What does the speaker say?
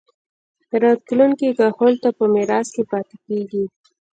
راتلونکي کهول ته پۀ ميراث کښې پاتې کيږي